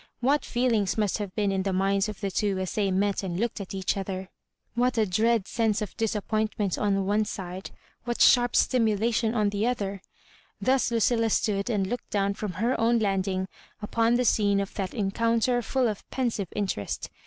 What feelings must have been in the minds of the two as tifiey met and looked at each other 1 What a dread sense of disappointment on the one side; what sharp stimulation on the other 1 Thus Lueilla stood and looked down from her own landing upon the scene of that encounter full of pensive interest.